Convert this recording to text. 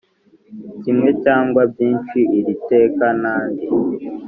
kimwe cyangwa byinshi iri teka n andi